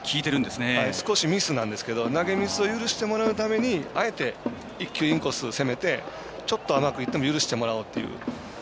少しミスなんですけど投げミスを許してもらうためにあえて、１球インコース攻めてちょっと甘くいっても許してもらおうという。